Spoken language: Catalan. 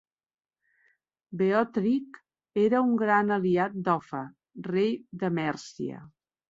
Beorhtric era un gran aliat d'Offa, rei de Mèrcia.